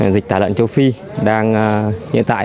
dịch tả lợn châu phi